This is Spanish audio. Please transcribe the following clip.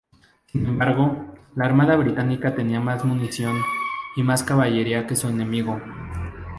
Sin embargo, la armada británica tenía más munición y más caballería que su enemigo.